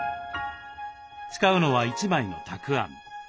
使うのは１枚のたくあん。